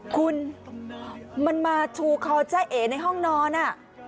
คุณมันมาทูคอใจเอกในห้องนอนอ่ะ